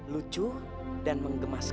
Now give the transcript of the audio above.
lucu dan mengemaskan